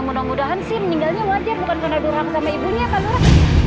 mudah mudahan sih meninggalnya wajar bukan karena durhaka sama ibunya pak lurah